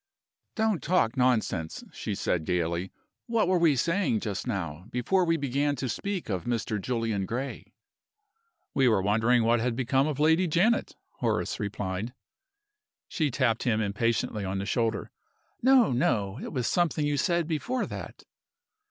"Don't talk nonsense!" she said, gayly. "What were we saying just now before we began to speak of Mr. Julian Gray?" "We were wondering what had become of Lady Janet," Horace replied. She tapped him impatiently on the shoulder. "No! no! It was something you said before that."